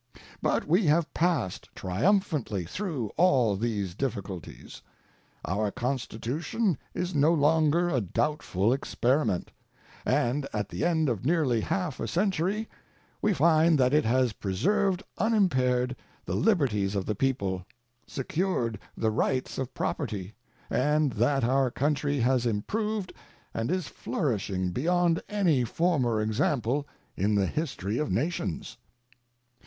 But we have passed triumphantly through all these difficulties. Our Constitution is no longer a doubtful experiment, and at the end of nearly half a century we find that it has preserved unimpaired the liberties of the people, secured the rights of property, and that our country has improved and is flourishing beyond any former example in the history of nations.